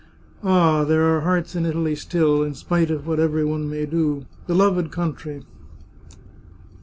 Ah, there are hearts in Italy still, in spite of what every one may do! Beloved country